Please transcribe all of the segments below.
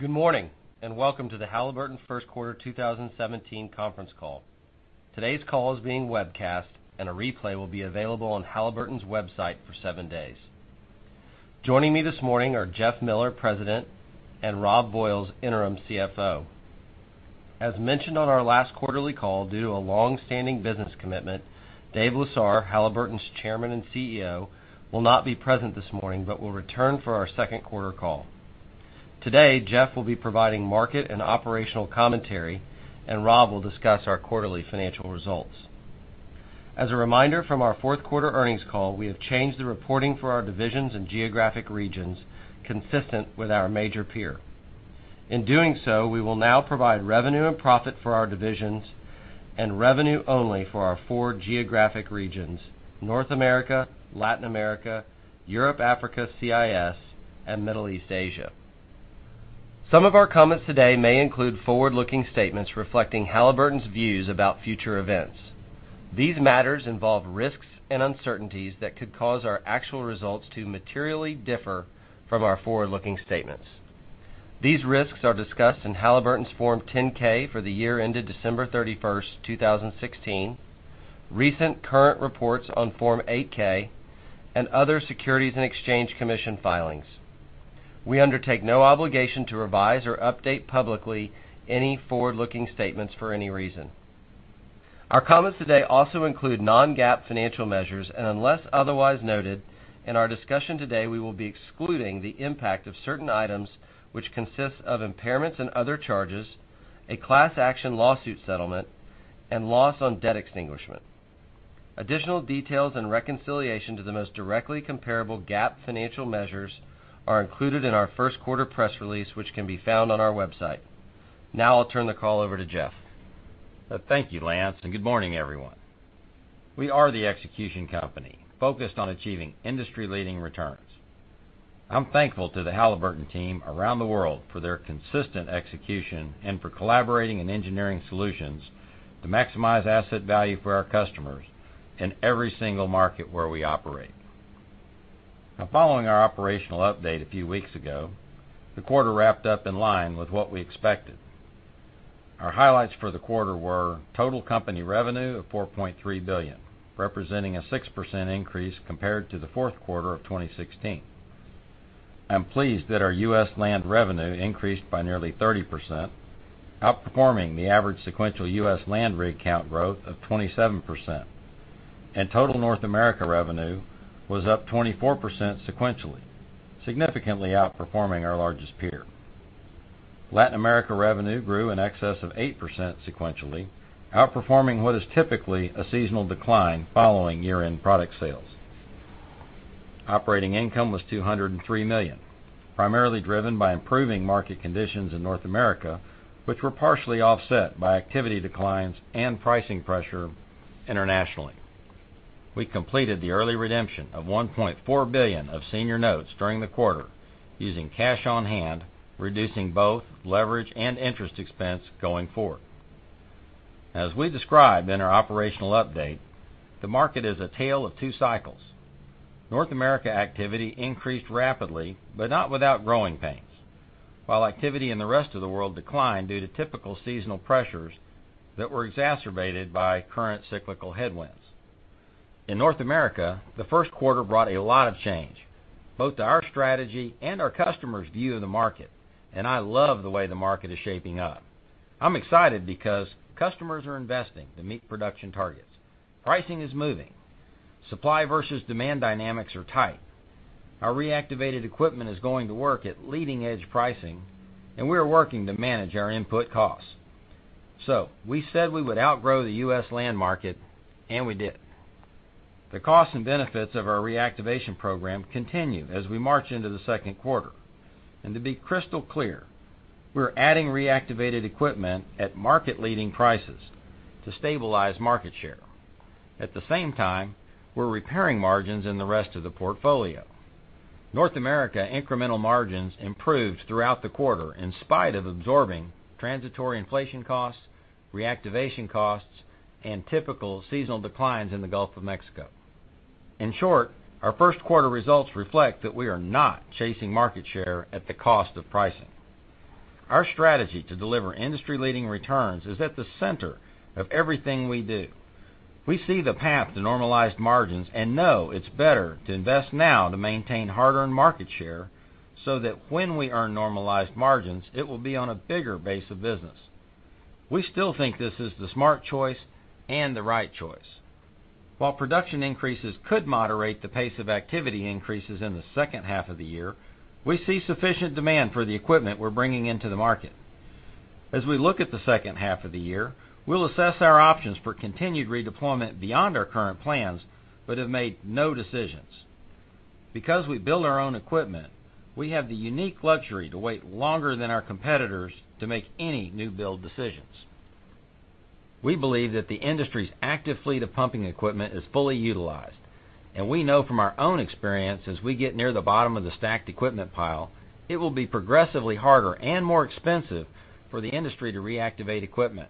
Good morning, and welcome to the Halliburton first quarter 2017 conference call. Today's call is being webcast, and a replay will be available on Halliburton's website for seven days. Joining me this morning are Jeff Miller, President, and Robb Voyles, Interim CFO. As mentioned on our last quarterly call, due to a longstanding business commitment, Dave Lesar, Halliburton's Chairman and CEO, will not be present this morning but will return for our second quarter call. Today, Jeff will be providing market and operational commentary, and Robb will discuss our quarterly financial results. As a reminder from our fourth quarter earnings call, we have changed the reporting for our divisions and geographic regions consistent with our major peer. In doing so, we will now provide revenue and profit for our divisions and revenue only for our four geographic regions: North America, Latin America, Europe, Africa, CIS, and Middle East/Asia. Some of our comments today may include forward-looking statements reflecting Halliburton's views about future events. These matters involve risks and uncertainties that could cause our actual results to materially differ from our forward-looking statements. These risks are discussed in Halliburton's Form 10-K for the year ended December 31st, 2016, recent current reports on Form 8-K, and other Securities and Exchange Commission filings. We undertake no obligation to revise or update publicly any forward-looking statements for any reason. Our comments today also include non-GAAP financial measures, and unless otherwise noted, in our discussion today, we will be excluding the impact of certain items which consist of impairments and other charges, a class action lawsuit settlement, and loss on debt extinguishment. Additional details and reconciliation to the most directly comparable GAAP financial measures are included in our first quarter press release, which can be found on our website. Now I'll turn the call over to Jeff. Thank you, Lance, and good morning, everyone. We are the execution company focused on achieving industry-leading returns. I'm thankful to the Halliburton team around the world for their consistent execution and for collaborating and engineering solutions to maximize asset value for our customers in every single market where we operate. Now, following our operational update a few weeks ago, the quarter wrapped up in line with what we expected. Our highlights for the quarter were total company revenue of $4.3 billion, representing a 6% increase compared to the fourth quarter of 2016. I'm pleased that our U.S. land revenue increased by nearly 30%, outperforming the average sequential U.S. land rig count growth of 27%. Total North America revenue was up 24% sequentially, significantly outperforming our largest peer. Latin America revenue grew in excess of 8% sequentially, outperforming what is typically a seasonal decline following year-end product sales. Operating income was $203 million, primarily driven by improving market conditions in North America, which were partially offset by activity declines and pricing pressure internationally. We completed the early redemption of $1.4 billion of senior notes during the quarter using cash on hand, reducing both leverage and interest expense going forward. As we described in our operational update, the market is a tale of two cycles. North America activity increased rapidly, but not without growing pains. While activity in the rest of the world declined due to typical seasonal pressures that were exacerbated by current cyclical headwinds. In North America, the first quarter brought a lot of change, both to our strategy and our customers' view of the market. I love the way the market is shaping up. I'm excited because customers are investing to meet production targets. Pricing is moving. Supply versus demand dynamics are tight. Our reactivated equipment is going to work at leading-edge pricing. We are working to manage our input costs. We said we would outgrow the U.S. land market, and we did. The costs and benefits of our reactivation program continue as we march into the second quarter. To be crystal clear, we're adding reactivated equipment at market leading prices to stabilize market share. At the same time, we're repairing margins in the rest of the portfolio. North America incremental margins improved throughout the quarter in spite of absorbing transitory inflation costs, reactivation costs, and typical seasonal declines in the Gulf of Mexico. In short, our first quarter results reflect that we are not chasing market share at the cost of pricing. Our strategy to deliver industry-leading returns is at the center of everything we do. We see the path to normalized margins and know it's better to invest now to maintain hard-earned market share, so that when we earn normalized margins, it will be on a bigger base of business. We still think this is the smart choice and the right choice. While production increases could moderate the pace of activity increases in the second half of the year, we see sufficient demand for the equipment we're bringing into the market. As we look at the second half of the year, we'll assess our options for continued redeployment beyond our current plans but have made no decisions. Because we build our own equipment, we have the unique luxury to wait longer than our competitors to make any new build decisions. We believe that the industry's active fleet of pumping equipment is fully utilized. We know from our own experience, as we get near the bottom of the stacked equipment pile, it will be progressively harder and more expensive for the industry to reactivate equipment.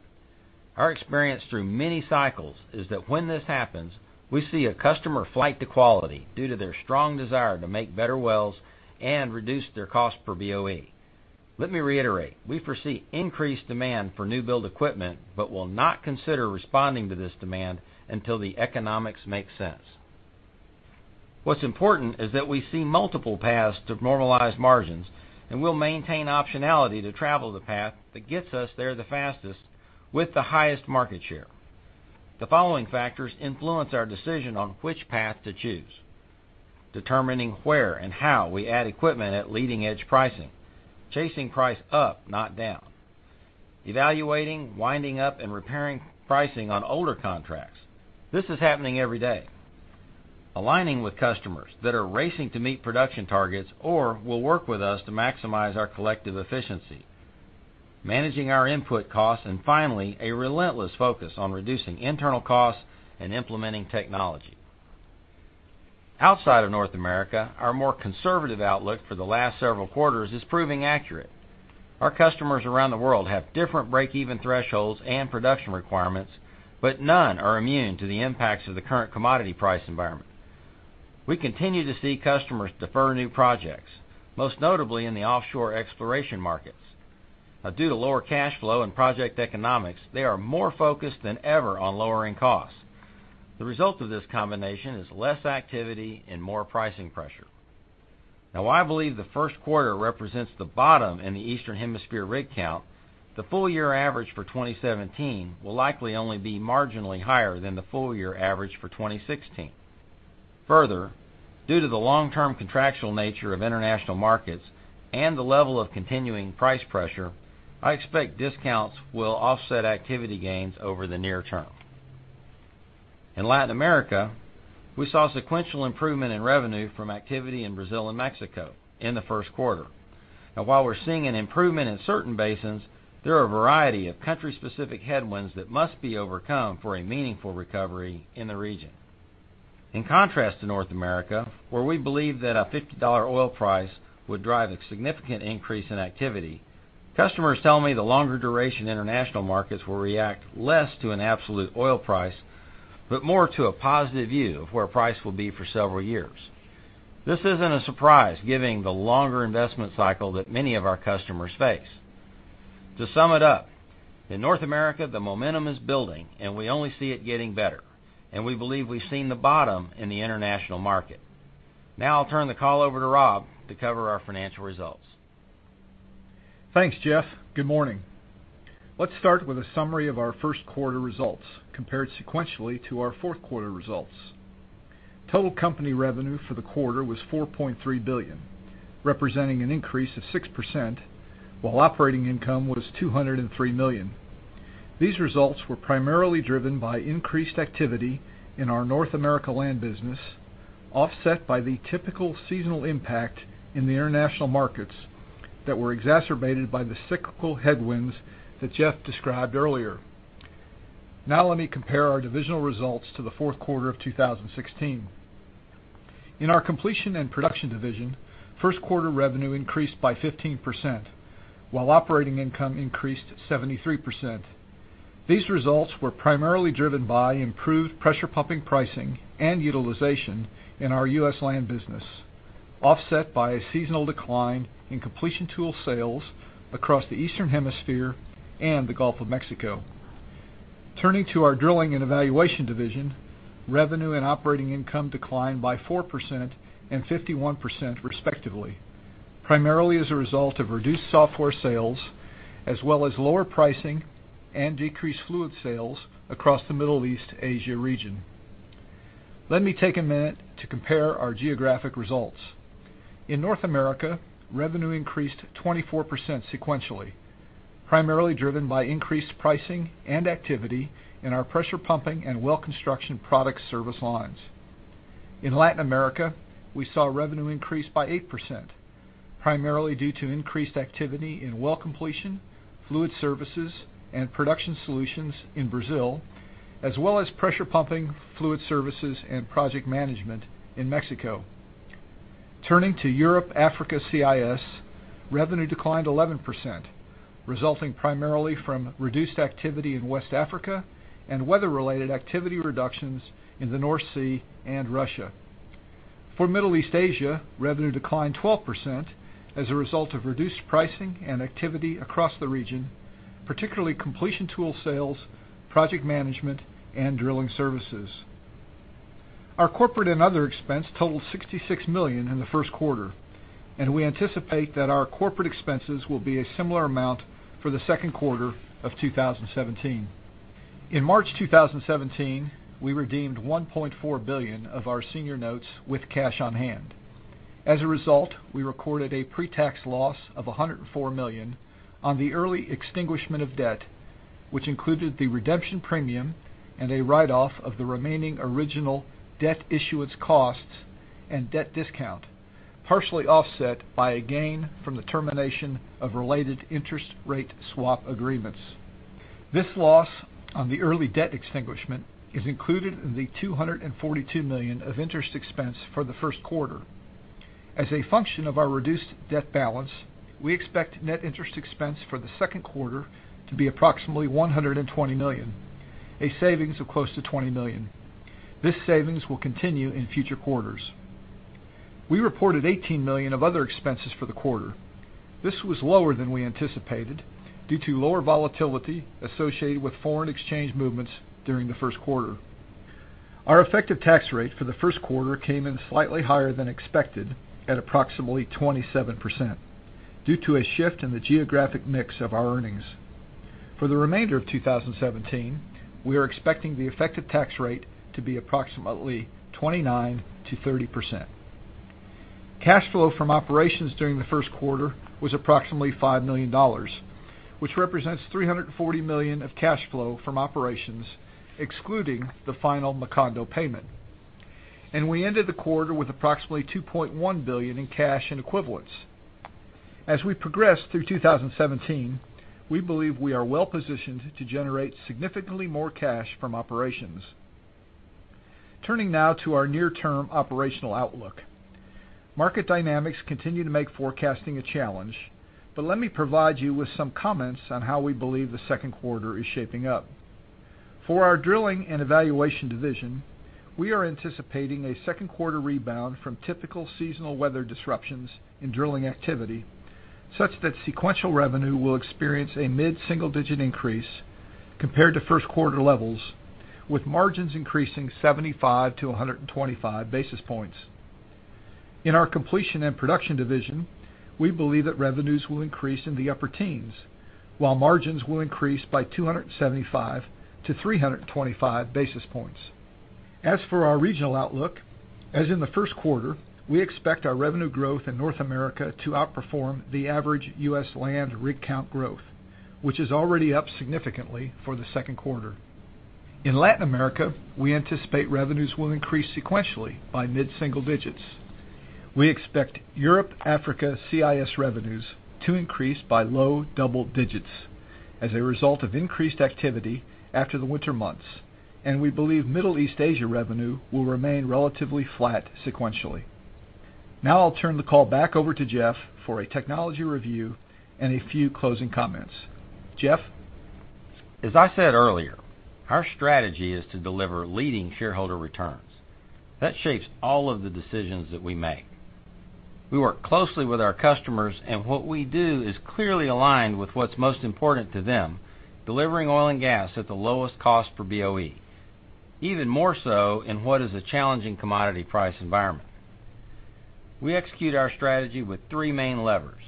Our experience through many cycles is that when this happens, we see a customer flight to quality due to their strong desire to make better wells and reduce their cost per BOE. Let me reiterate, we foresee increased demand for new build equipment but will not consider responding to this demand until the economics make sense. What's important is that we see multiple paths to normalized margins. We'll maintain optionality to travel the path that gets us there the fastest with the highest market share. The following factors influence our decision on which path to choose. Determining where and how we add equipment at leading-edge pricing, chasing price up, not down. Evaluating, winding up, and repairing pricing on older contracts. This is happening every day. Aligning with customers that are racing to meet production targets or will work with us to maximize our collective efficiency. Managing our input costs, and finally, a relentless focus on reducing internal costs and implementing technology. Outside of North America, our more conservative outlook for the last several quarters is proving accurate. Our customers around the world have different break-even thresholds and production requirements, but none are immune to the impacts of the current commodity price environment. We continue to see customers defer new projects, most notably in the offshore exploration markets. Due to lower cash flow and project economics, they are more focused than ever on lowering costs. The result of this combination is less activity and more pricing pressure. While I believe the first quarter represents the bottom in the Eastern Hemisphere rig count, the full-year average for 2017 will likely only be marginally higher than the full-year average for 2016. Due to the long-term contractual nature of international markets and the level of continuing price pressure, I expect discounts will offset activity gains over the near term. In Latin America, we saw sequential improvement in revenue from activity in Brazil and Mexico in the first quarter. While we're seeing an improvement in certain basins, there are a variety of country-specific headwinds that must be overcome for a meaningful recovery in the region. In contrast to North America, where we believe that a $50 oil price would drive a significant increase in activity, customers tell me the longer duration international markets will react less to an absolute oil price, but more to a positive view of where price will be for several years. This isn't a surprise given the longer investment cycle that many of our customers face. To sum it up, in North America, the momentum is building, and we only see it getting better, and we believe we've seen the bottom in the international market. I'll turn the call over to Robb to cover our financial results. Thanks, Jeff. Good morning. Let's start with a summary of our first quarter results compared sequentially to our fourth quarter results. Total company revenue for the quarter was $4.3 billion, representing an increase of 6%, while operating income was $203 million. These results were primarily driven by increased activity in our North America land business, offset by the typical seasonal impact in the international markets that were exacerbated by the cyclical headwinds that Jeff described earlier. Let me compare our divisional results to the fourth quarter of 2016. In our Completion and Production division, first quarter revenue increased by 15%, while operating income increased 73%. These results were primarily driven by improved pressure pumping pricing and utilization in our U.S. land business, offset by a seasonal decline in completion tool sales across the Eastern Hemisphere and the Gulf of Mexico. Turning to our Drilling and Evaluation division, revenue and operating income declined by 4% and 51% respectively, primarily as a result of reduced software sales as well as lower pricing and decreased fluid sales across the Middle East/Asia region. Let me take a minute to compare our geographic results. In North America, revenue increased 24% sequentially, primarily driven by increased pricing and activity in our pressure pumping and well construction product service lines. In Latin America, we saw revenue increase by 8%, primarily due to increased activity in well completion, fluid services, and production solutions in Brazil, as well as pressure pumping fluid services and project management in Mexico. Turning to Europe, Africa, CIS, revenue declined 11%, resulting primarily from reduced activity in West Africa and weather-related activity reductions in the North Sea and Russia. For Middle East/Asia, revenue declined 12% as a result of reduced pricing and activity across the region, particularly completion tool sales, project management, and drilling services. Our corporate and other expense totaled $66 million in the first quarter, and we anticipate that our corporate expenses will be a similar amount for the second quarter of 2017. In March 2017, we redeemed $1.4 billion of our senior notes with cash on hand. As a result, we recorded a pre-tax loss of $104 million on the early extinguishment of debt, which included the redemption premium and a write-off of the remaining original debt issuance costs and debt discount, partially offset by a gain from the termination of related interest rate swap agreements. This loss on the early debt extinguishment is included in the $242 million of interest expense for the first quarter. As a function of our reduced debt balance, we expect net interest expense for the second quarter to be approximately $120 million, a savings of close to $20 million. This savings will continue in future quarters. We reported $18 million of other expenses for the quarter. This was lower than we anticipated due to lower volatility associated with foreign exchange movements during the first quarter. Our effective tax rate for the first quarter came in slightly higher than expected at approximately 27% due to a shift in the geographic mix of our earnings. For the remainder of 2017, we are expecting the effective tax rate to be approximately 29%-30%. Cash flow from operations during the first quarter was approximately $5 million, which represents $340 million of cash flow from operations, excluding the final Macondo payment. We ended the quarter with approximately $2.1 billion in cash and equivalents. As we progress through 2017, we believe we are well-positioned to generate significantly more cash from operations. Turning now to our near-term operational outlook. Market dynamics continue to make forecasting a challenge, but let me provide you with some comments on how we believe the second quarter is shaping up. For our Drilling and Evaluation division, we are anticipating a second quarter rebound from typical seasonal weather disruptions in drilling activity, such that sequential revenue will experience a mid-single-digit increase compared to first quarter levels, with margins increasing 75 to 125 basis points. In our Completion and Production division, we believe that revenues will increase in the upper teens, while margins will increase by 275 to 325 basis points. As for our regional outlook, as in the first quarter, we expect our revenue growth in North America to outperform the average U.S. land rig count growth, which is already up significantly for the second quarter. In Latin America, we anticipate revenues will increase sequentially by mid-single digits. We expect Europe, Africa, CIS revenues to increase by low double digits as a result of increased activity after the winter months. We believe Middle East/Asia revenue will remain relatively flat sequentially. Now I'll turn the call back over to Jeff for a technology review and a few closing comments. Jeff? As I said earlier, our strategy is to deliver leading shareholder returns. That shapes all of the decisions that we make. We work closely with our customers, what we do is clearly aligned with what's most important to them, delivering oil and gas at the lowest cost per BOE, even more so in what is a challenging commodity price environment. We execute our strategy with three main levers,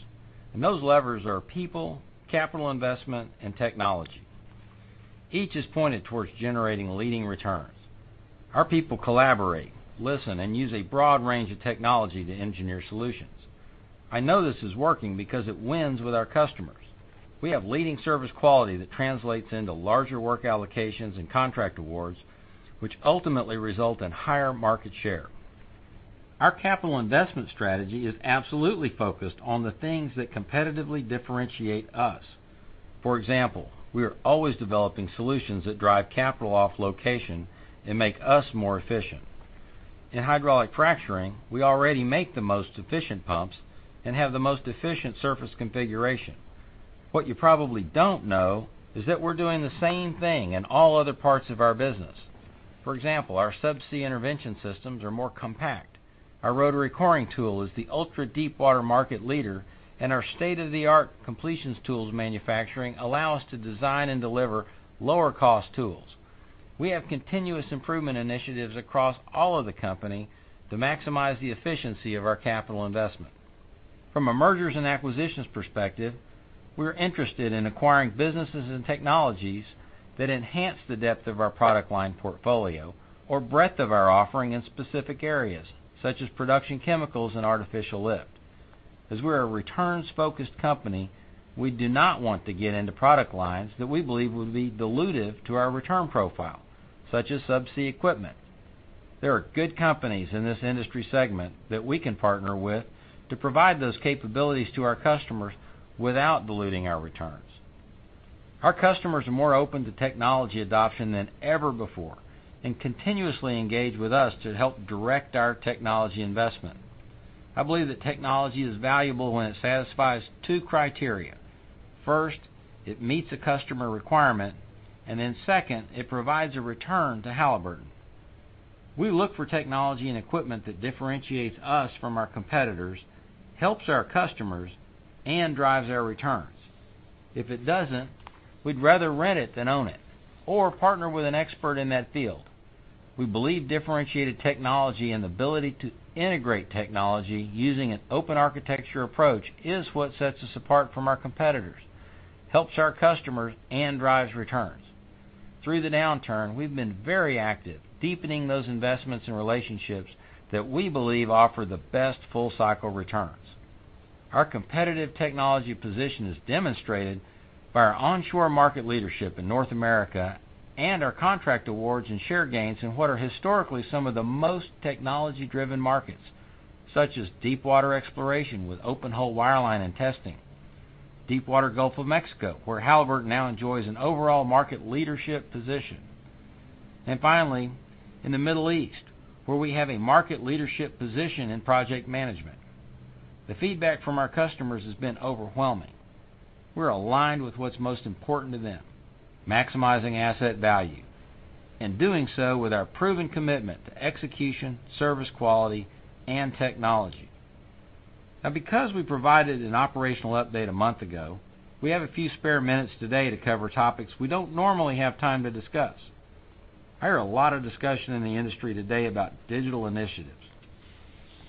those levers are people, capital investment, and technology. Each is pointed towards generating leading returns. Our people collaborate, listen, and use a broad range of technology to engineer solutions. I know this is working because it wins with our customers. We have leading service quality that translates into larger work allocations and contract awards, which ultimately result in higher market share. Our capital investment strategy is absolutely focused on the things that competitively differentiate us. For example, we are always developing solutions that drive capital off location and make us more efficient. In hydraulic fracturing, we already make the most efficient pumps and have the most efficient surface configuration. What you probably don't know is that we're doing the same thing in all other parts of our business. For example, our subsea intervention systems are more compact. Our rotary coring tool is the ultra deep water market leader, our state-of-the-art completions tools manufacturing allow us to design and deliver lower cost tools. We have continuous improvement initiatives across all of the company to maximize the efficiency of our capital investment. From a mergers and acquisitions perspective, we're interested in acquiring businesses and technologies that enhance the depth of our product line portfolio or breadth of our offering in specific areas, such as production chemicals and artificial lift. As we're a returns-focused company, we do not want to get into product lines that we believe will be dilutive to our return profile, such as subsea equipment. There are good companies in this industry segment that we can partner with to provide those capabilities to our customers without diluting our returns. Our customers are more open to technology adoption than ever before and continuously engage with us to help direct our technology investment. I believe that technology is valuable when it satisfies two criteria. First, it meets a customer requirement, then second, it provides a return to Halliburton. We look for technology and equipment that differentiates us from our competitors, helps our customers, and drives our returns. If it doesn't, we'd rather rent it than own it or partner with an expert in that field. We believe differentiated technology and the ability to integrate technology using an open architecture approach is what sets us apart from our competitors, helps our customers, and drives returns. Through the downturn, we've been very active deepening those investments and relationships that we believe offer the best full-cycle returns. Our competitive technology position is demonstrated by our onshore market leadership in North America and our contract awards and share gains in what are historically some of the most technology-driven markets, such as deep water exploration with open hole wireline and testing. Deep water Gulf of Mexico, where Halliburton now enjoys an overall market leadership position. Finally, in the Middle East, where we have a market leadership position in project management. The feedback from our customers has been overwhelming. Because we provided an operational update a month ago, we have a few spare minutes today to cover topics we don't normally have time to discuss. I hear a lot of discussion in the industry today about digital initiatives.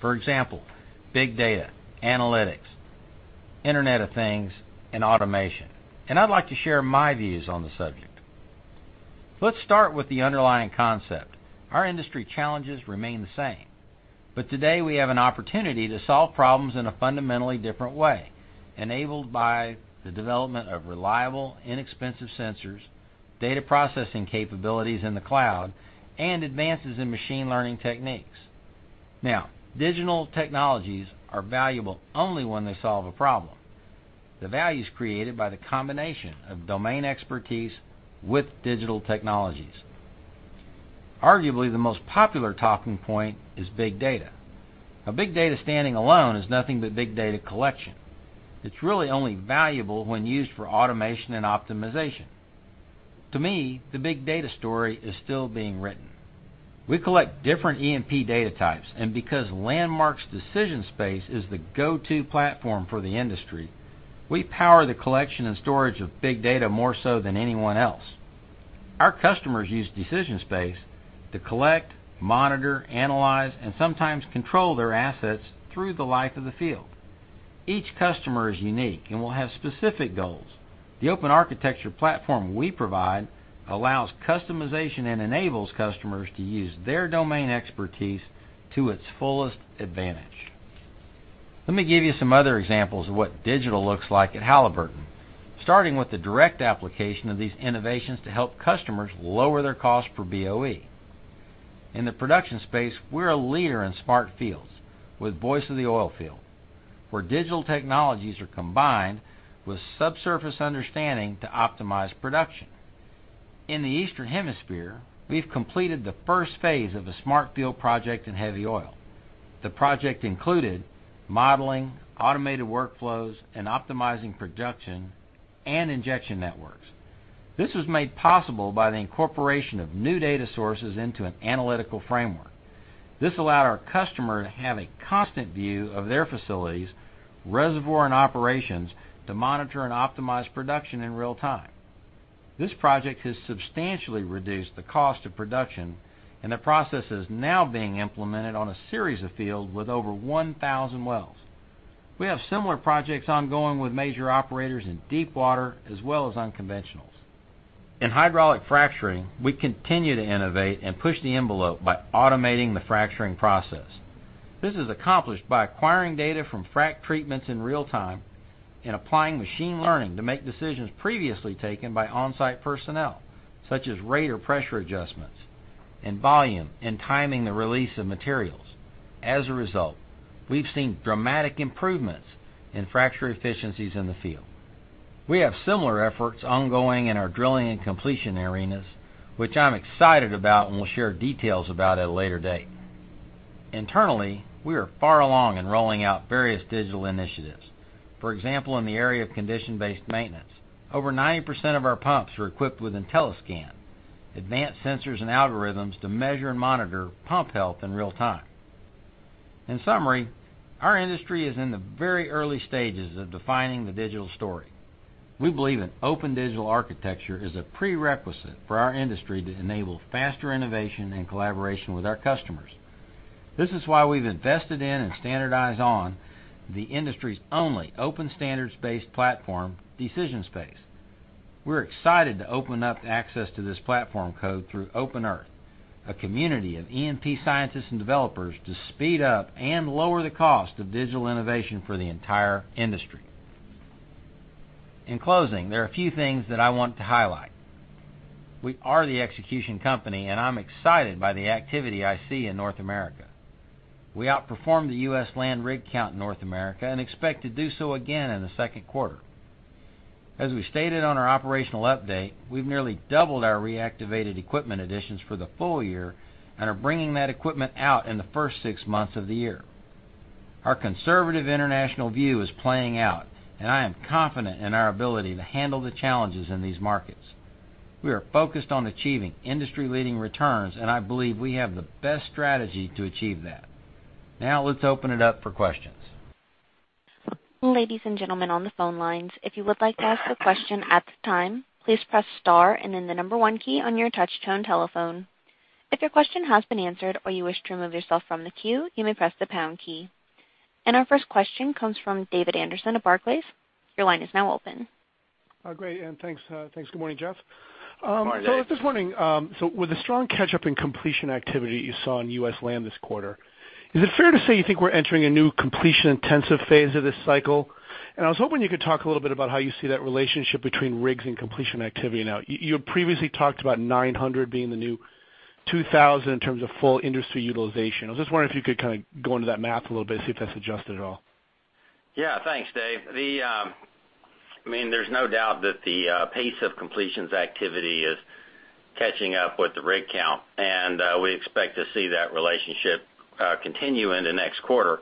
For example, big data, analytics, Internet of Things, and automation. I'd like to share my views on the subject. Let's start with the underlying concept. Our industry challenges remain the same. Today we have an opportunity to solve problems in a fundamentally different way, enabled by the development of reliable, inexpensive sensors, data processing capabilities in the cloud, and advances in machine learning techniques. Digital technologies are valuable only when they solve a problem. The value is created by the combination of domain expertise with digital technologies. Arguably, the most popular talking point is big data. A big data standing alone is nothing but big data collection. It's really only valuable when used for automation and optimization. To me, the big data story is still being written. We collect different E&P data types, and because Landmark's DecisionSpace is the go-to platform for the industry, we power the collection and storage of big data more so than anyone else. Our customers use DecisionSpace to collect, monitor, analyze, and sometimes control their assets through the life of the field. Each customer is unique and will have specific goals. The open architecture platform we provide allows customization and enables customers to use their domain expertise to its fullest advantage. Let me give you some other examples of what digital looks like at Halliburton, starting with the direct application of these innovations to help customers lower their cost per BOE. In the production space, we're a leader in smart fields with Voice of the Oilfield, where digital technologies are combined with subsurface understanding to optimize production. In the Eastern Hemisphere, we've completed the first phase of a smart field project in heavy oil. The project included modeling, automated workflows, and optimizing production and injection networks. This was made possible by the incorporation of new data sources into an analytical framework. This allowed our customer to have a constant view of their facility's reservoir and operations to monitor and optimize production in real time. This project has substantially reduced the cost of production, and the process is now being implemented on a series of fields with over 1,000 wells. We have similar projects ongoing with major operators in deep water as well as unconventionals. In hydraulic fracturing, we continue to innovate and push the envelope by automating the fracturing process. This is accomplished by acquiring data from frack treatments in real time and applying machine learning to make decisions previously taken by on-site personnel, such as rate or pressure adjustments and volume and timing the release of materials. As a result, we've seen dramatic improvements in fracture efficiencies in the field. We have similar efforts ongoing in our drilling and completion arenas, which I'm excited about and will share details about at a later date. Internally, we are far along in rolling out various digital initiatives. For example, in the area of condition-based maintenance. Over 90% of our pumps are equipped with IntelliScan, advanced sensors and algorithms to measure and monitor pump health in real time. In summary, our industry is in the very early stages of defining the digital story. We believe an open digital architecture is a prerequisite for our industry to enable faster innovation and collaboration with our customers. This is why we've invested in and standardized on the industry's only open standards-based platform, DecisionSpace. We're excited to open up access to this platform code through OpenEarth, a community of E&P scientists and developers to speed up and lower the cost of digital innovation for the entire industry. In closing, there are a few things that I want to highlight. We are the execution company, and I'm excited by the activity I see in North America. We outperformed the U.S. land rig count in North America and expect to do so again in the second quarter. As we stated on our operational update, we've nearly doubled our reactivated equipment additions for the full year and are bringing that equipment out in the first six months of the year. Our conservative international view is playing out, and I am confident in our ability to handle the challenges in these markets. We are focused on achieving industry-leading returns, and I believe we have the best strategy to achieve that. Now let's open it up for questions. Ladies and gentlemen on the phone lines, if you would like to ask a question at the time, please press star and then the number 1 key on your touch-tone telephone. If your question has been answered or you wish to remove yourself from the queue, you may press the pound key. Our first question comes from David Anderson of Barclays. Your line is now open. Good morning, Jeff. Good morning. I was just wondering, with the strong catch-up in completion activity you saw in U.S. land this quarter, is it fair to say you think we're entering a new completion-intensive phase of this cycle? I was hoping you could talk a little bit about how you see that relationship between rigs and completion activity now. You previously talked about 900 being the new 2,000 in terms of full industry utilization. I was just wondering if you could kind of go into that math a little bit, see if that's adjusted at all. There's no doubt that the pace of completions activity is catching up with the rig count, and we expect to see that relationship continue in the next quarter,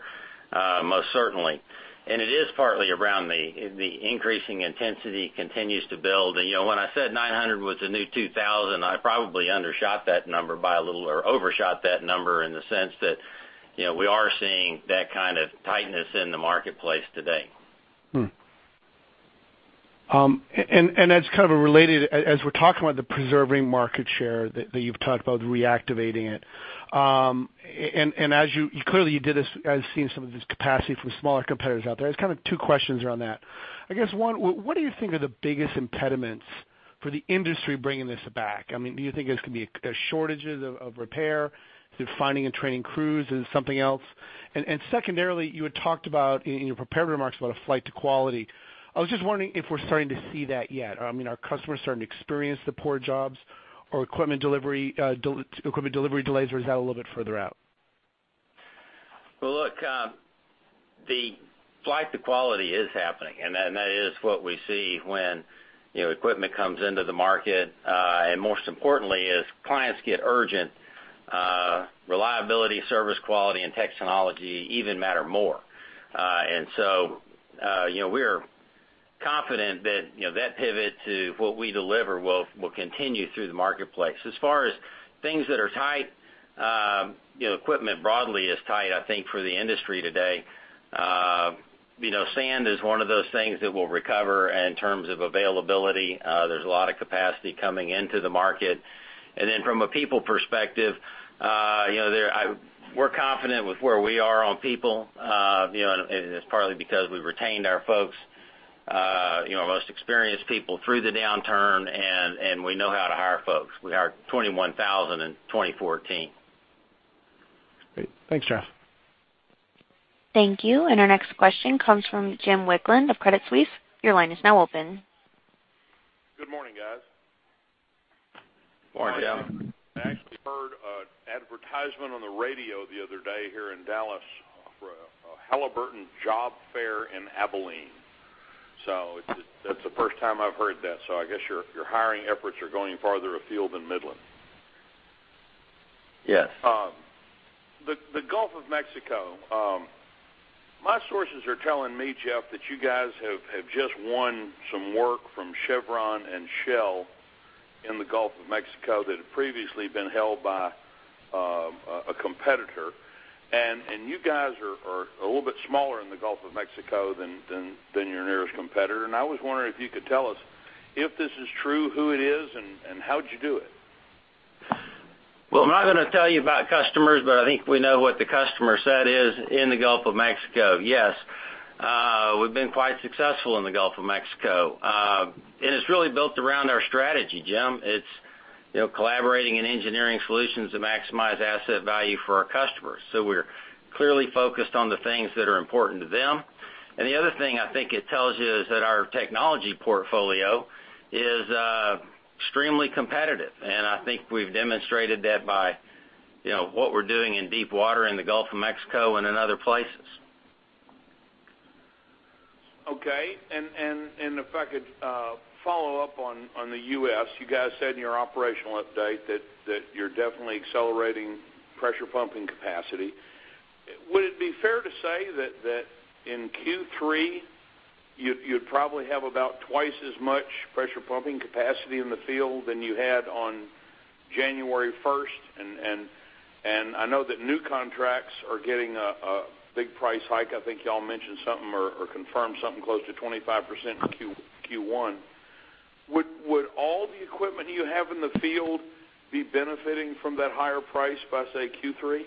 most certainly. It is partly around the increasing intensity continues to build. When I said 900 was the new 2,000, I probably undershot that number by a little or overshot that number in the sense that we are seeing that kind of tightness in the marketplace today. As kind of related, as we're talking about the preserving market share that you've talked about reactivating it. Clearly, I've seen some of this capacity from smaller competitors out there. There's kind of two questions around that. I guess one, what do you think are the biggest impediments for the industry bringing this back? Do you think there's going to be shortages of repair through finding and training crews? Is it something else? Secondarily, you had talked about in your prepared remarks about a flight to quality. I was just wondering if we're starting to see that yet. Are customers starting to experience the poor jobs or equipment delivery delays, or is that a little bit further out? Well, look, the flight to quality is happening, and that is what we see when equipment comes into the market. Most importantly, as clients get urgent, reliability, service quality, and technology even matter more. So we are confident that pivot to what we deliver will continue through the marketplace. As far as things that are tight, equipment broadly is tight, I think, for the industry today. Sand is one of those things that will recover in terms of availability. There's a lot of capacity coming into the market. Then from a people perspective, we're confident with where we are on people, and it's partly because we've retained our folks, our most experienced people through the downturn, and we know how to hire folks. We hired 21,000 in 2014. Great. Thanks, Jeff. Thank you. Our next question comes from James Wicklund of Credit Suisse. Your line is now open. Good morning, guys. Morning, Jim. I actually heard an advertisement on the radio the other day here in Dallas for a Halliburton job fair in Abilene. That's the first time I've heard that. I guess your hiring efforts are going farther afield than Midland. Yes. The Gulf of Mexico. My sources are telling me, Jeff, that you guys have just won some work from Chevron and Shell in the Gulf of Mexico that had previously been held by a competitor. You guys are a little bit smaller in the Gulf of Mexico than your nearest competitor. I was wondering if you could tell us if this is true, who it is, and how'd you do it? Well, I'm not going to tell you about customers. I think we know what the customer set is in the Gulf of Mexico. Yes, we've been quite successful in the Gulf of Mexico. It's really built around our strategy, Jim. It's collaborating and engineering solutions to maximize asset value for our customers. We're clearly focused on the things that are important to them. The other thing I think it tells you is that our technology portfolio is extremely competitive, and I think we've demonstrated that by what we're doing in deep water in the Gulf of Mexico and in other places. Okay. If I could follow up on the U.S., you guys said in your operational update that you're definitely accelerating pressure pumping capacity. Would it be fair to say that in Q3, you'd probably have about twice as much pressure pumping capacity in the field than you had on January 1st? I know that new contracts are getting a big price hike. I think you all mentioned something or confirmed something close to 25% in Q1. Would all the equipment you have in the field be benefiting from that higher price by, say, Q3?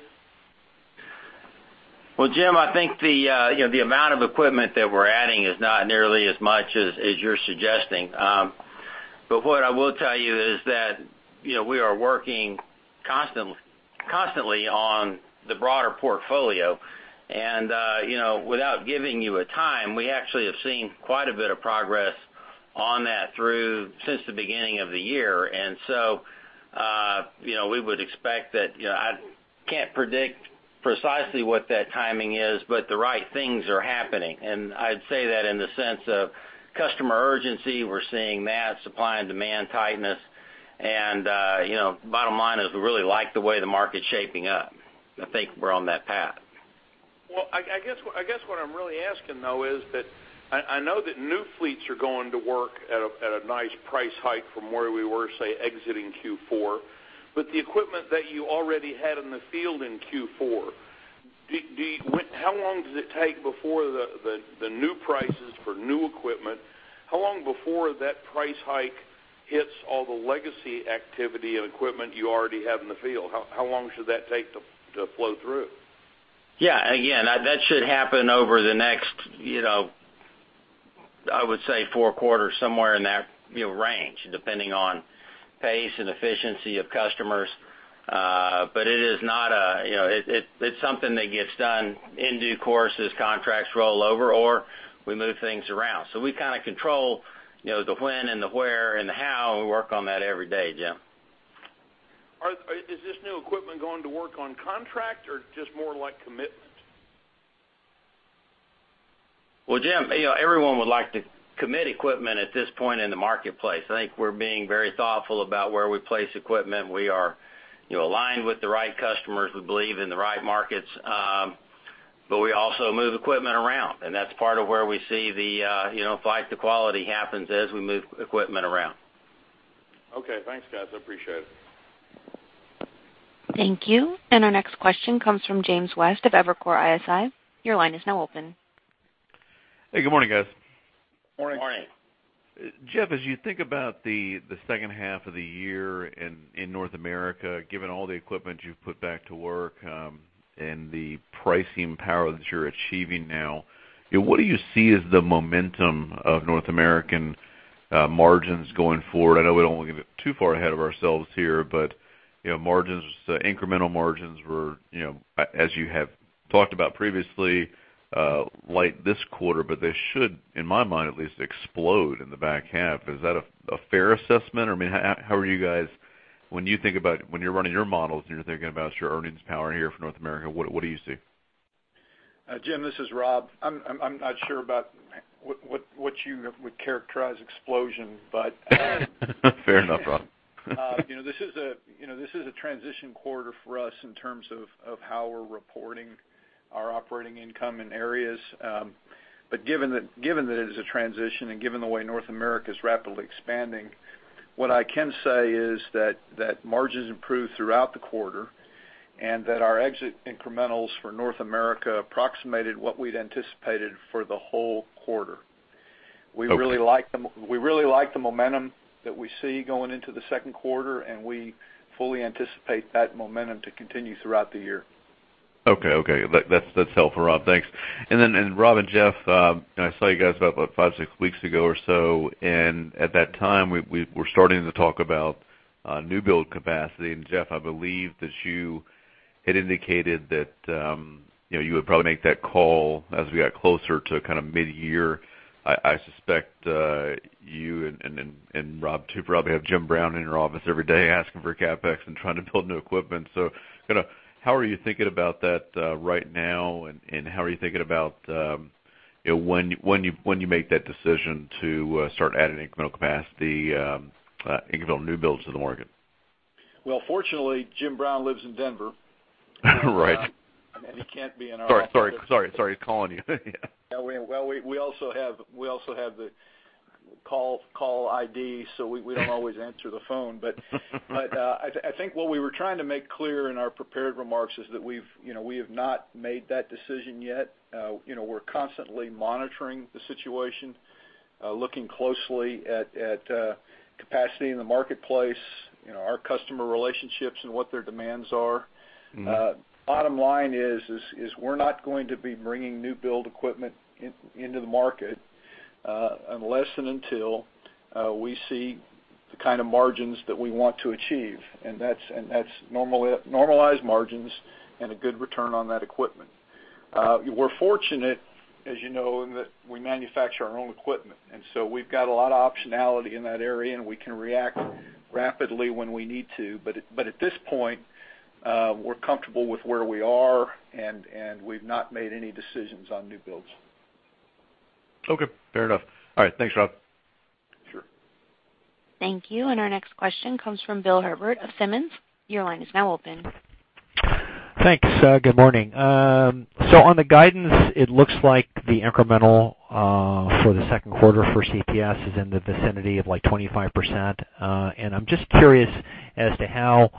Well, Jim, I think the amount of equipment that we're adding is not nearly as much as you're suggesting. What I will tell you is that we are working constantly on the broader portfolio. Without giving you a time, we actually have seen quite a bit of progress on that through since the beginning of the year. We would expect that I can't predict precisely what that timing is, the right things are happening. I'd say that in the sense of customer urgency, we're seeing that supply and demand tightness. Bottom line is we really like the way the market's shaping up. I think we're on that path. Well, I guess what I'm really asking, though, is that I know that new fleets are going to work at a nice price hike from where we were, say, exiting Q4. The equipment that you already had in the field in Q4, how long does it take before the new prices for new equipment, how long before that price hike hits all the legacy activity and equipment you already have in the field? How long should that take to flow through? Yeah. Again, that should happen over the next, I would say 4 quarters, somewhere in that range, depending on pace and efficiency of customers. It's something that gets done in due course as contracts roll over or we move things around. We kind of control the when and the where and the how, and we work on that every day, Jim. Is this new equipment going to work on contract or just more like commitment? Well, Jim, everyone would like to commit equipment at this point in the marketplace. I think we're being very thoughtful about where we place equipment. We are aligned with the right customers, we believe in the right markets. We also move equipment around, and that's part of where we see the flight to quality happens, is we move equipment around. Okay, thanks guys. I appreciate it. Thank you. Our next question comes from James West of Evercore ISI. Your line is now open. Hey, good morning, guys. Morning. Morning. Jeff, as you think about the second half of the year in North America, given all the equipment you've put back to work and the pricing power that you're achieving now, what do you see as the momentum of North American margins going forward? I know we don't want to get too far ahead of ourselves here, incremental margins were, as you have talked about previously, light this quarter. They should, in my mind at least, explode in the back half. Is that a fair assessment? How are you guys, when you're running your models and you're thinking about your earnings power here for North America, what do you see? Jim, this is Rob. I'm not sure about what you would characterize explosion. Fair enough, Robb. Given that it is a transition and given the way North America is rapidly expanding, what I can say is that margins improved throughout the quarter, and that our exit incrementals for North America approximated what we'd anticipated for the whole quarter. Okay. We really like the momentum that we see going into the second quarter, and we fully anticipate that momentum to continue throughout the year. Okay. That's helpful, Robb. Thanks. Robb and Jeff, I saw you guys about what, five, six weeks ago or so, and at that time, we were starting to talk about new build capacity. Jeff, I believe that you had indicated that you would probably make that call as we got closer to mid-year. I suspect you and Robb too, probably have Jim Brown in your office every day asking for CapEx and trying to build new equipment. How are you thinking about that right now, and how are you thinking about when you make that decision to start adding incremental capacity, incremental new builds to the market? Fortunately, Jim Brown lives in Denver. Right. He can't be in our office. Sorry, he's calling you. We also have the call ID, so we don't always answer the phone. I think what we were trying to make clear in our prepared remarks is that we have not made that decision yet. We're constantly monitoring the situation, looking closely at capacity in the marketplace, our customer relationships and what their demands are. Bottom line is we're not going to be bringing new build equipment into the market, unless and until we see the kind of margins that we want to achieve. That's normalized margins and a good return on that equipment. We're fortunate, as you know, in that we manufacture our own equipment, and so we've got a lot of optionality in that area, and we can react rapidly when we need to. At this point, we're comfortable with where we are, and we've not made any decisions on new builds. Okay, fair enough. All right. Thanks, Robb. Sure. Thank you. Our next question comes from Bill Herbert of Simmons. Your line is now open. Thanks. Good morning. On the guidance, it looks like the incremental for the second quarter for C&P is in the vicinity of 25%. I'm just curious as to how,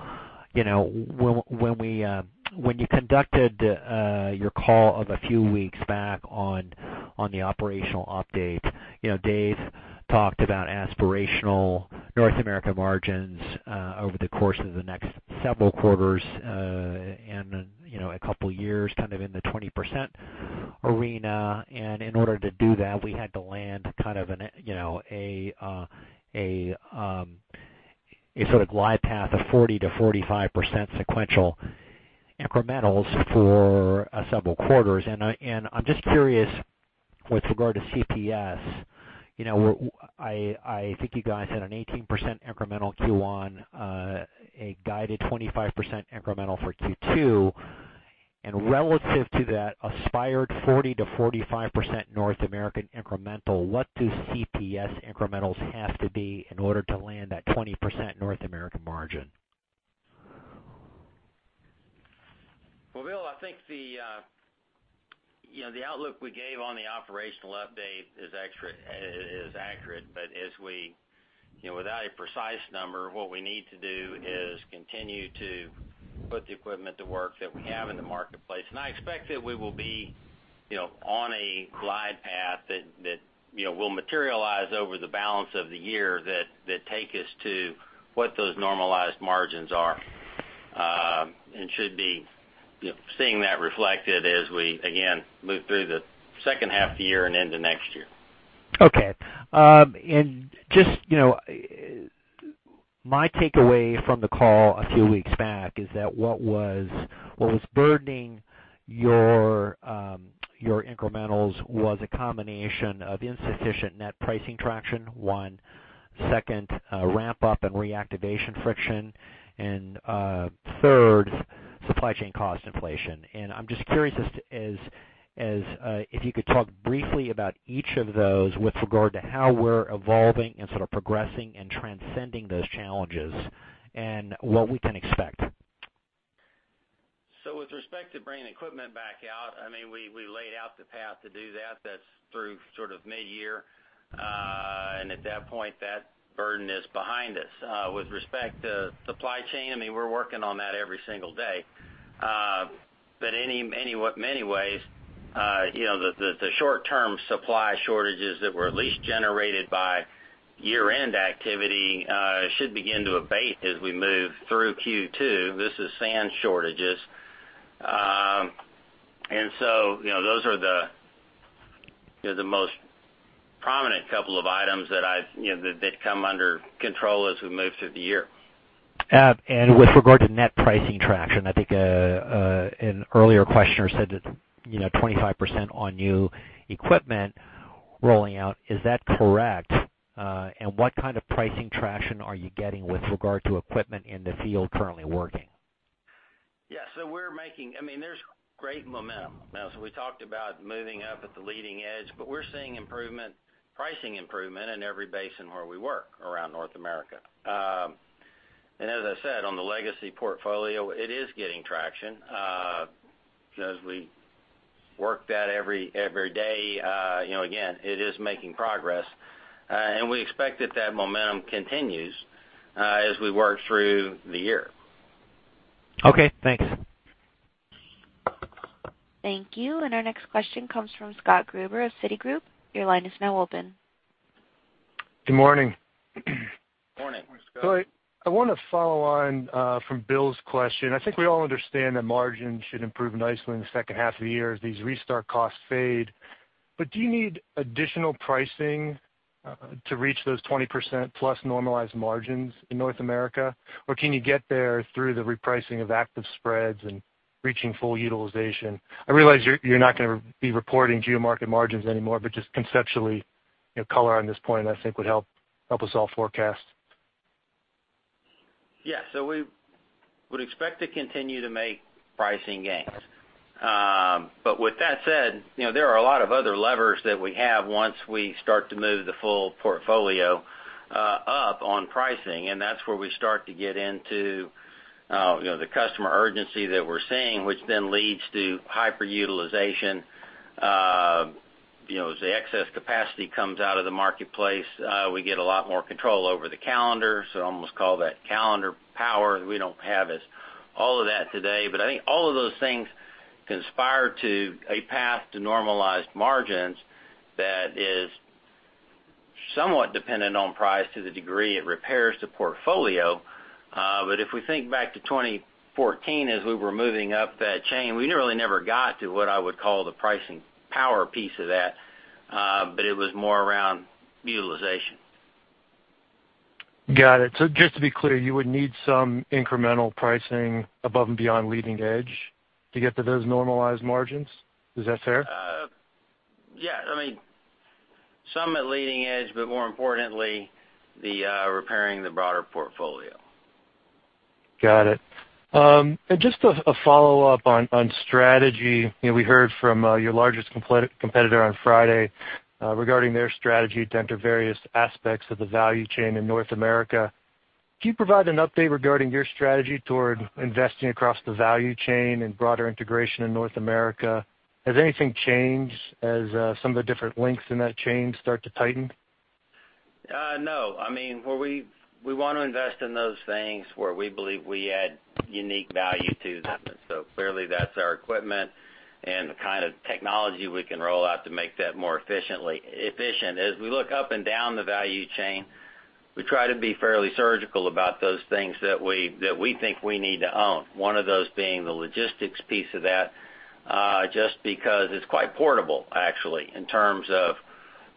when you conducted your call of a few weeks back on the operational update, Dave talked about aspirational North America margins over the course of the next several quarters, and a couple of years in the 20% arena. In order to do that, we had to land a sort of glide path of 40%-45% sequential incrementals for several quarters. I'm just curious with regard to C&P, I think you guys had an 18% incremental Q1, a guided 25% incremental for Q2. Relative to that aspired 40%-45% North American incremental, what do C&P incrementals have to be in order to land that 20% North American margin? Well, Bill, I think the outlook we gave on the operational update is accurate. Without a precise number, what we need to do is continue to put the equipment to work that we have in the marketplace. I expect that we will be on a glide path that will materialize over the balance of the year that take us to what those normalized margins are. Should be seeing that reflected as we, again, move through the second half of the year and into next year. Okay. My takeaway from the call a few weeks back is that what was burdening your incrementals was a combination of insufficient net pricing traction. Second, ramp-up and reactivation friction. Third, supply chain cost inflation. I'm just curious if you could talk briefly about each of those with regard to how we're evolving and sort of progressing and transcending those challenges, and what we can expect. With respect to bringing equipment back out, we laid out the path to do that. That's through sort of mid-year. At that point, that burden is behind us. With respect to supply chain, we're working on that every single day. In many ways, the short-term supply shortages that were at least generated by year-end activity should begin to abate as we move through Q2. This is sand shortages. Those are the most prominent couple of items that come under control as we move through the year. With regard to net pricing traction, I think an earlier questioner said it's 25% on new equipment rolling out. Is that correct? What kind of pricing traction are you getting with regard to equipment in the field currently working? Yeah. There's great momentum. We talked about moving up at the leading edge, but we're seeing pricing improvement in every basin where we work around North America. As I said, on the legacy portfolio, it is getting traction. As we work that every day again, it is making progress. We expect that that momentum continues as we work through the year. Okay, thanks. Thank you. Our next question comes from Scott Gruber of Citigroup. Your line is now open. Good morning. Morning. Morning, Scott. I want to follow on from Bill's question. I think we all understand that margins should improve nicely in the second half of the year as these restart costs fade. Do you need additional pricing to reach those 20% plus normalized margins in North America? Can you get there through the repricing of active spreads and reaching full utilization? I realize you're not going to be reporting geo-market margins anymore, but just conceptually, color on this point, I think, would help us all forecast. Yeah. We would expect to continue to make pricing gains. With that said, there are a lot of other levers that we have once we start to move the full portfolio up on pricing, that's where we start to get into the customer urgency that we're seeing, which leads to hyper-utilization. As the excess capacity comes out of the marketplace, we get a lot more control over the calendar. I almost call that calendar power. We don't have all of that today, but I think all of those things conspire to a path to normalized margins that is somewhat dependent on price to the degree it repairs the portfolio. If we think back to 2014, as we were moving up that chain, we really never got to what I would call the pricing power piece of that. It was more around utilization. Got it. Just to be clear, you would need some incremental pricing above and beyond leading edge to get to those normalized margins. Is that fair? Yeah. Some at leading edge, but more importantly, repairing the broader portfolio. Got it. Just a follow-up on strategy. We heard from your largest competitor on Friday regarding their strategy to enter various aspects of the value chain in North America. Can you provide an update regarding your strategy toward investing across the value chain and broader integration in North America? Has anything changed as some of the different links in that chain start to tighten? No. We want to invest in those things where we believe we add unique value to them. Clearly, that's our equipment and the kind of technology we can roll out to make that more efficient. As we look up and down the value chain, we try to be fairly surgical about those things that we think we need to own. One of those being the logistics piece of that, just because it's quite portable, actually, in terms of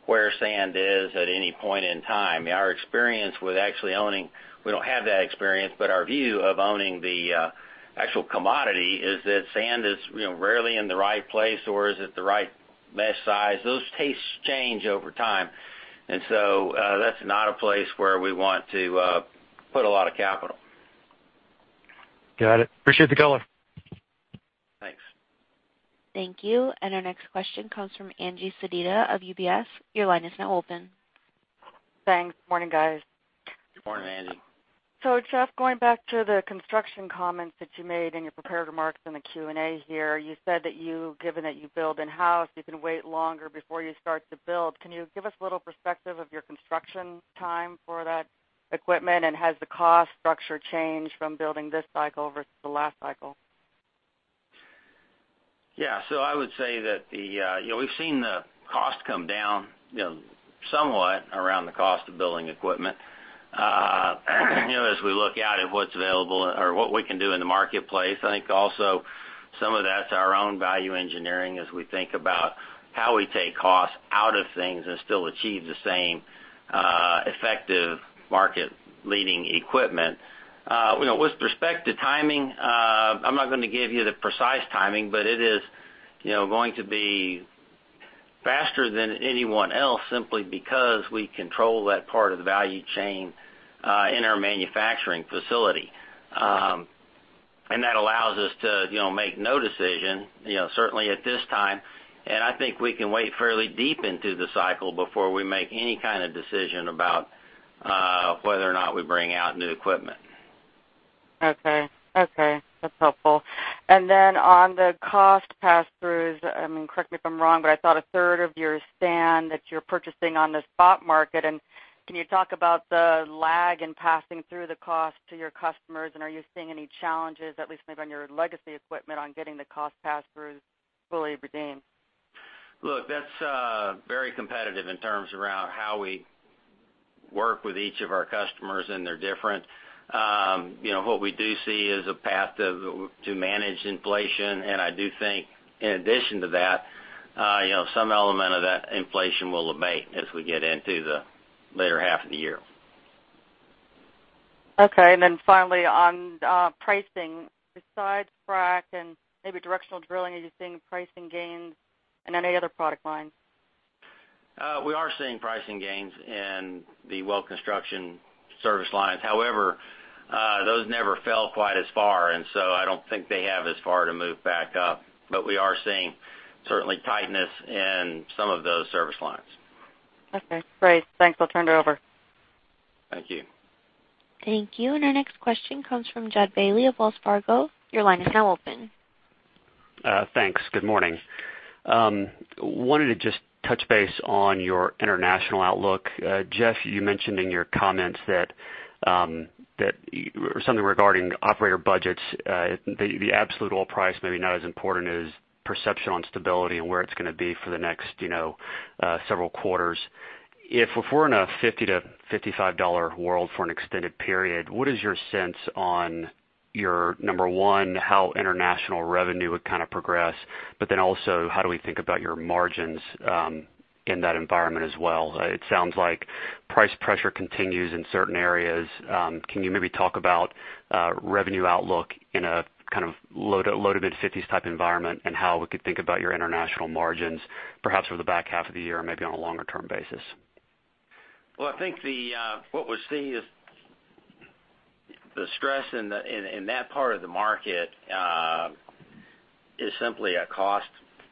where sand is at any point in time. Our experience with actually owning-- we don't have that experience, but our view of owning the actual commodity is that sand is rarely in the right place or is at the right mesh size. Those tastes change over time. That's not a place where we want to put a lot of capital. Got it. Appreciate the color. Thanks. Thank you. Our next question comes from Angie Sedita of UBS. Your line is now open. Thanks. Morning, guys. Good morning, Angie. Jeff, going back to the construction comments that you made in your prepared remarks in the Q&A here, you said that given that you build in-house, you can wait longer before you start to build. Can you give us a little perspective of your construction time for that equipment? Has the cost structure changed from building this cycle versus the last cycle? Yeah. I would say that we've seen the cost come down somewhat around the cost of building equipment. As we look out at what's available or what we can do in the marketplace, I think also some of that's our own value engineering as we think about how we take costs out of things and still achieve the same effective market-leading equipment. With respect to timing, I'm not going to give you the precise timing, but it is going to be faster than anyone else, simply because we control that part of the value chain in our manufacturing facility. That allows us to make no decision, certainly at this time. I think we can wait fairly deep into the cycle before we make any kind of decision about whether or not we bring out new equipment. Okay. That's helpful. On the cost pass-throughs, correct me if I'm wrong, but I thought a third of your sand that you're purchasing on the spot market. Can you talk about the lag in passing through the cost to your customers? Are you seeing any challenges, at least maybe on your legacy equipment, on getting the cost pass-throughs fully redeemed? Look, that's very competitive in terms around how we work with each of our customers, and they're different. What we do see is a path to manage inflation. I do think, in addition to that, some element of that inflation will abate as we get into the latter half of the year. Okay, finally on pricing, besides frac and maybe directional drilling, are you seeing pricing gains in any other product lines? We are seeing pricing gains in the well construction service lines. Those never fell quite as far, I don't think they have as far to move back up. We are seeing certainly tightness in some of those service lines. Okay, great. Thanks. I'll turn it over. Thank you. Thank you. Our next question comes from Jud Bailey of Wells Fargo. Your line is now open. Thanks. Good morning. Wanted to just touch base on your international outlook. Jeff, you mentioned in your comments that something regarding operator budgets, the absolute oil price may be not as important as perception on stability and where it's going to be for the next several quarters. If we're in a $50-$55 world for an extended period, what is your sense on your, number 1, how international revenue would kind of progress, also how do we think about your margins in that environment as well? It sounds like price pressure continues in certain areas. Can you maybe talk about revenue outlook in a kind of low-to-mid 50s type environment, and how we could think about your international margins, perhaps over the back half of the year or maybe on a longer term basis? Well, I think what we're seeing is the stress in that part of the market is simply a cost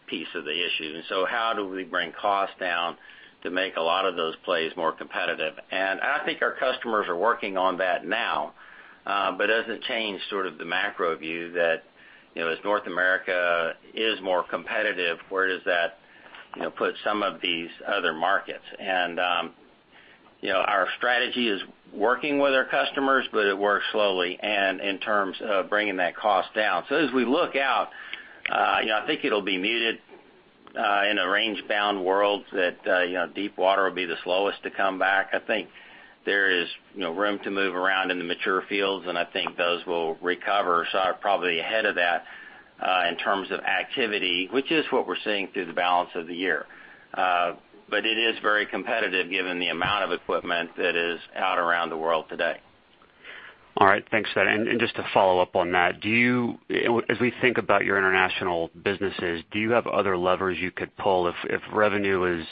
piece of the issue. How do we bring costs down to make a lot of those plays more competitive? I think our customers are working on that now. It doesn't change sort of the macro view that as North America is more competitive, where does that put some of these other markets? Our strategy is working with our customers, it works slowly and in terms of bringing that cost down. As we look out, I think it'll be muted in a range-bound world that deep water will be the slowest to come back. I think there is room to move around in the mature fields, I think those will recover, are probably ahead of that, in terms of activity, which is what we're seeing through the balance of the year. It is very competitive given the amount of equipment that is out around the world today. All right. Thanks for that. Just to follow up on that, as we think about your international businesses, do you have other levers you could pull if revenue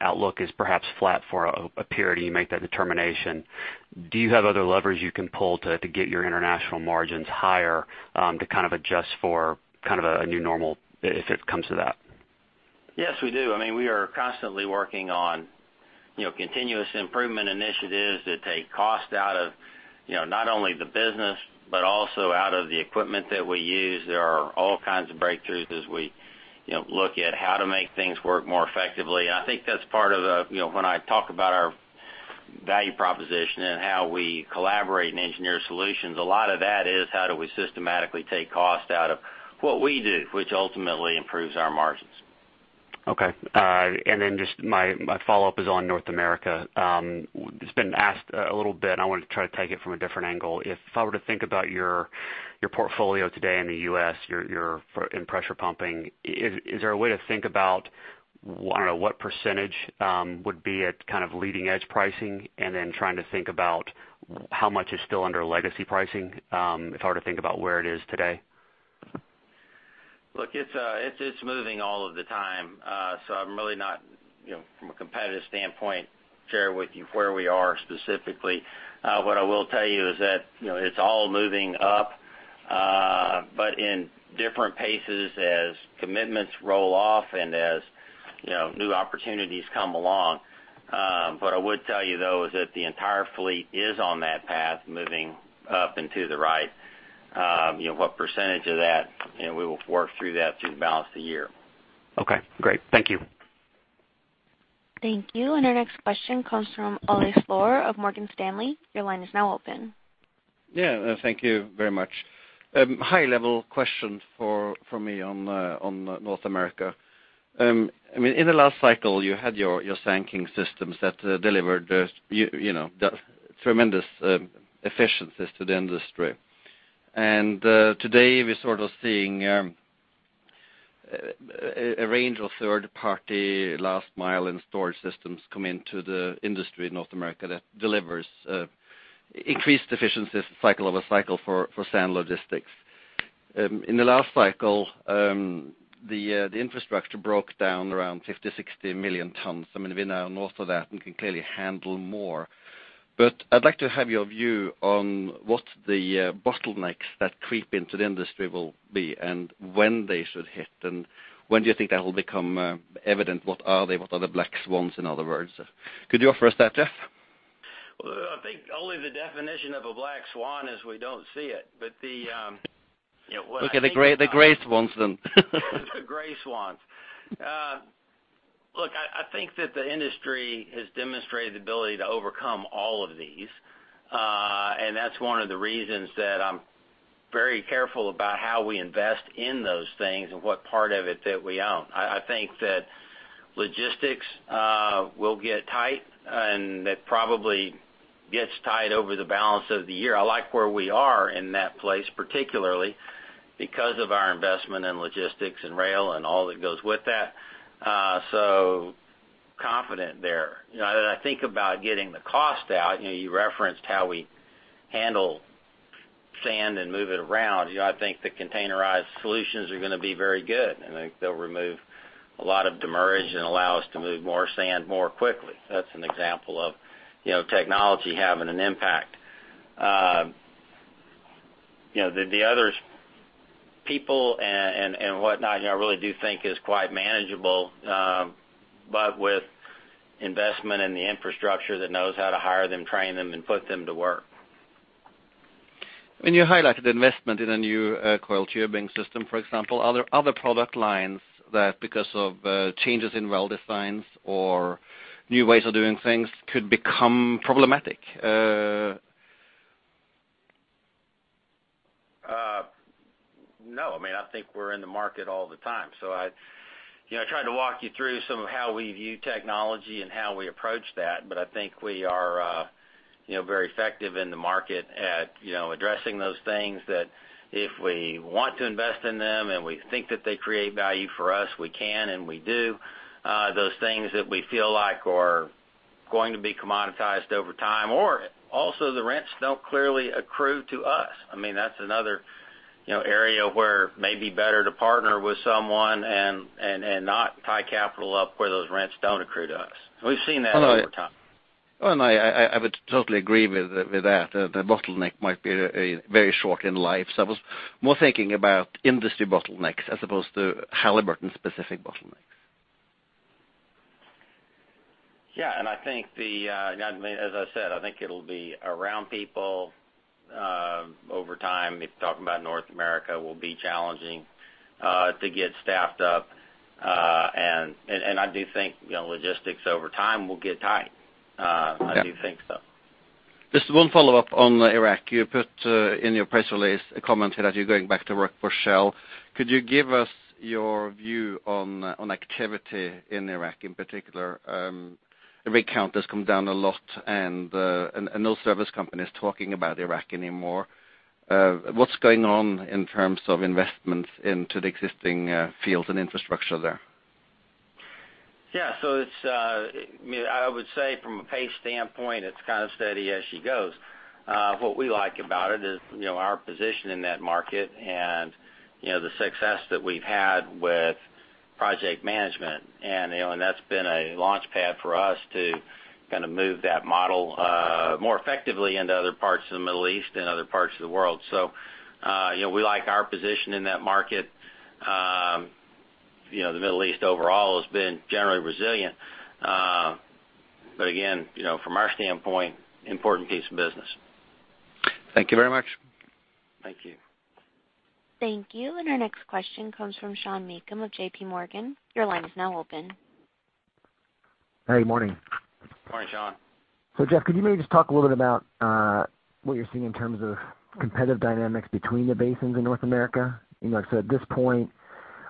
outlook is perhaps flat for a period, you make that determination. Do you have other levers you can pull to get your international margins higher to kind of adjust for kind of a new normal if it comes to that? Yes, we do. We are constantly working on continuous improvement initiatives that take cost out of not only the business, but also out of the equipment that we use. There are all kinds of breakthroughs as we look at how to make things work more effectively. I think that's part of when I talk about our value proposition and how we collaborate and engineer solutions, a lot of that is how do we systematically take cost out of what we do, which ultimately improves our margins. Okay. Just my follow-up is on North America. It's been asked a little bit, and I want to try to take it from a different angle. If I were to think about your portfolio today in the U.S., in pressure pumping, is there a way to think about, I don't know, what % would be at kind of leading edge pricing and then trying to think about how much is still under legacy pricing? If I were to think about where it is today. Look, it's moving all of the time. I'm really not, from a competitive standpoint, share with you where we are specifically. What I will tell you is that it's all moving up, but in different paces as commitments roll off and as new opportunities come along. I would tell you, though, is that the entire fleet is on that path moving up and to the right. What % of that, we will work through that through the balance of the year. Okay, great. Thank you. Thank you. Our next question comes from Ole Slorer of Morgan Stanley. Your line is now open. Yeah. Thank you very much. High level question for me on North America. In the last cycle, you had your SandKleen systems that delivered tremendous efficiencies to the industry. Today we're sort of seeing a range of third party last mile and storage systems come into the industry in North America that delivers increased efficiencies cycle over cycle for sand logistics. In the last cycle, the infrastructure broke down around 50, 60 million tons. We're now north of that and can clearly handle more. I'd like to have your view on what the bottlenecks that creep into the industry will be and when they should hit, and when do you think that will become evident? What are they? What are the black swans, in other words? Could you offer us that, Jeff? Well, I think only the definition of a black swan is we don't see it. The gray swans. The gray swans. Look, I think that the industry has demonstrated the ability to overcome all of these. That's one of the reasons that I'm very careful about how we invest in those things and what part of it that we own. I think that logistics will get tight, it probably gets tight over the balance of the year. I like where we are in that place, particularly because of our investment in logistics and rail and all that goes with that. Confident there. As I think about getting the cost out, you referenced how we handle sand and move it around. I think the containerized solutions are going to be very good, and I think they'll remove a lot of demurrage and allow us to move more sand more quickly. That's an example of technology having an impact. The other people and whatnot, I really do think is quite manageable, with investment in the infrastructure that knows how to hire them, train them, and put them to work. When you highlighted investment in a new coiled tubing system, for example, are there other product lines that, because of changes in well designs or new ways of doing things, could become problematic? No. I think we're in the market all the time. I tried to walk you through some of how we view technology and how we approach that, I think we are very effective in the market at addressing those things that if we want to invest in them and we think that they create value for us, we can and we do. Those things that we feel like are going to be commoditized over time or also the rents don't clearly accrue to us. That's another area where maybe better to partner with someone and not tie capital up where those rents don't accrue to us. We've seen that over time. I would totally agree with that, the bottleneck might be very short in life. I was more thinking about industry bottlenecks as opposed to Halliburton-specific bottlenecks. Yeah. As I said, I think it'll be around people over time, if talking about North America, will be challenging to get staffed up. I do think logistics over time will get tight. Okay. I do think so. Just one follow-up on Iraq. You put in your press release a comment that you're going back to work for Shell. Could you give us your view on activity in Iraq in particular? The rig count has come down a lot and no service company's talking about Iraq anymore. What's going on in terms of investments into the existing fields and infrastructure there? Yeah. I would say from a pace standpoint, it's kind of steady as she goes. What we like about it is our position in that market and the success that we've had with project management. That's been a launchpad for us to move that model more effectively into other parts of the Middle East and other parts of the world. We like our position in that market. The Middle East overall has been generally resilient. Again, from our standpoint, important piece of business. Thank you very much. Thank you. Thank you. Our next question comes from Sean Meakim of JPMorgan. Your line is now open. Hey, good morning. Morning, Sean. Jeff, could you maybe just talk a little bit about what you're seeing in terms of competitive dynamics between the basins in North America? At this point,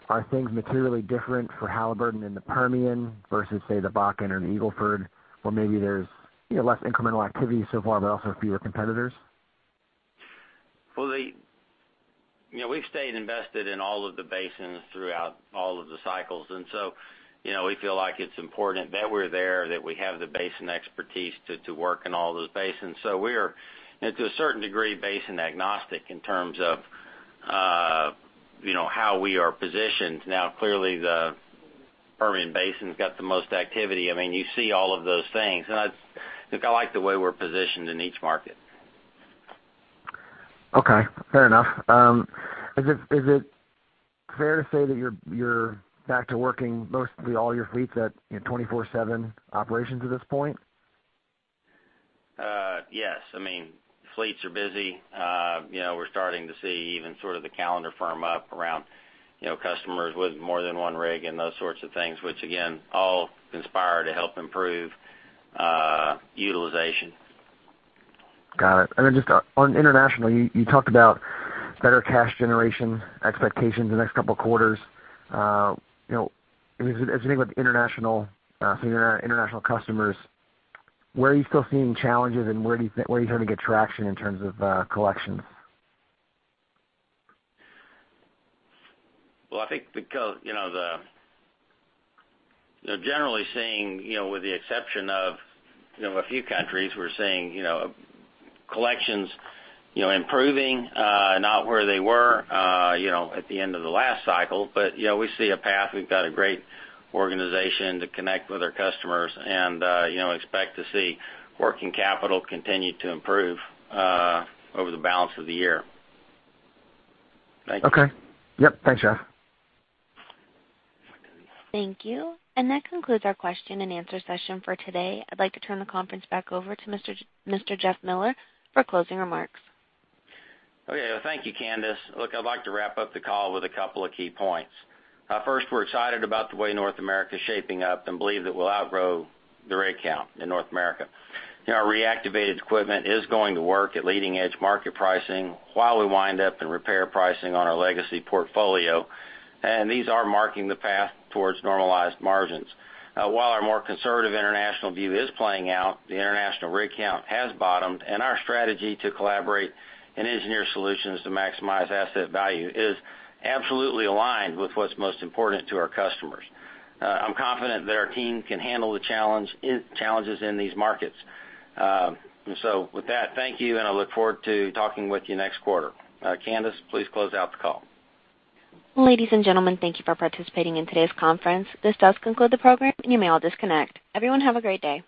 are things materially different for Halliburton in the Permian versus, say, the Bakken and Eagle Ford, where maybe there's less incremental activity so far, but also fewer competitors? Well, we've stayed invested in all of the basins throughout all of the cycles. We feel like it's important that we're there, that we have the basin expertise to work in all those basins. We're, and to a certain degree, basin agnostic in terms of how we are positioned. Clearly, the Permian Basin's got the most activity. You see all of those things, and I think I like the way we're positioned in each market. Okay, fair enough. Is it fair to say that you're back to working mostly all your fleets at 24/7 operations at this point? Yes. Fleets are busy. We're starting to see even the calendar firm up around customers with more than one rig and those sorts of things, which again, all inspire to help improve utilization. Got it. Just on international, you talked about better cash generation expectations the next couple of quarters. As you think about the international customers, where are you still seeing challenges and where are you starting to get traction in terms of collections? Well, I think generally with the exception of a few countries, we're seeing collections improving, not where they were at the end of the last cycle, but we see a path. We've got a great organization to connect with our customers and expect to see working capital continue to improve over the balance of the year. Thank you. Okay. Yep. Thanks, Jeff. Thank you. That concludes our question and answer session for today. I'd like to turn the conference back over to Mr. Jeff Miller for closing remarks. Okay. Thank you, Candice. Look, I'd like to wrap up the call with a couple of key points. First, we're excited about the way North America is shaping up and believe that we'll outgrow the rig count in North America. Our reactivated equipment is going to work at leading-edge market pricing while we wind up in repair pricing on our legacy portfolio, and these are marking the path towards normalized margins. While our more conservative international view is playing out, the international rig count has bottomed, and our strategy to collaborate and engineer solutions to maximize asset value is absolutely aligned with what's most important to our customers. I'm confident that our team can handle the challenges in these markets. With that, thank you, and I look forward to talking with you next quarter. Candice, please close out the call. Ladies and gentlemen, thank you for participating in today's conference. This does conclude the program. You may all disconnect. Everyone have a great day.